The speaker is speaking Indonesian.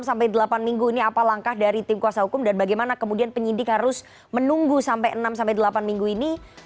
sampai delapan minggu ini apa langkah dari tim kuasa hukum dan bagaimana kemudian penyidik harus menunggu sampai enam sampai delapan minggu ini